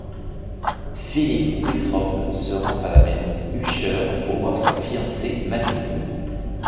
Philip Withrop se rend a la maison Usher pour voir sa fiancée Madeline.